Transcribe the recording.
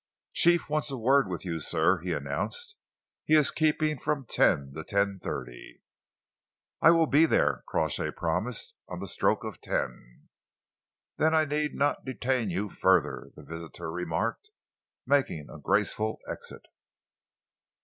"Chief wants a word with you, sir," he announced. "He is keeping from ten to ten thirty." "I will be there," Crawshay promised, "on the stroke of ten." "Then I need not detain you further," his visitor remarked, making a graceful exit.